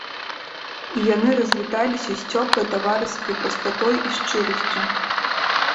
І яны развіталіся з цёплай таварыскай прастатой і шчырасцю.